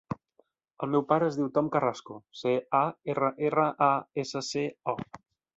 El meu pare es diu Tom Carrasco: ce, a, erra, erra, a, essa, ce, o.